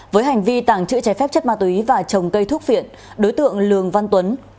với hành vi tàng trữ trái phép chất ma túy và trồng cây thuốc phiện đối tượng lường văn tuấn